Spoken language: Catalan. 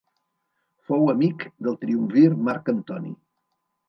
Fou amic del triumvir Marc Antoni.